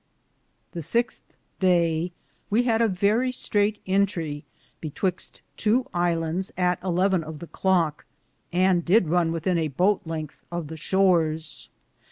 2/ The sixte Day we had a virrie straite entrle betwyxte tow Ilandes at aleven of the clocke, and did Run within a hot lengthe of the shores.